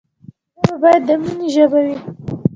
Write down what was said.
ژبه باید د ميني ژبه وي.